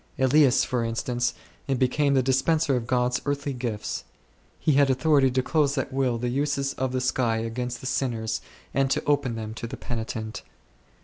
Elias, for instance, became the dispenser of God's earthly gifts ; he had authority to close at will the uses of the s1<y against the sinners and to open them to the penitent.